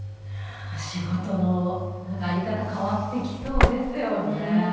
仕事の在り方変わってきそうですよね。